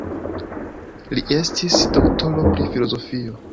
Li estis doktoro pri filozofio.